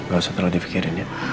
gak usah terlalu di pikirin ya